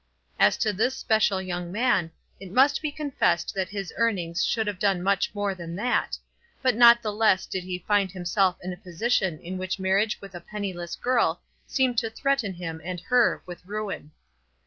As to this special young man, it must be confessed that his earnings should have done much more than that; but not the less did he find himself in a position in which marriage with a penniless girl seemed to threaten him and her with ruin.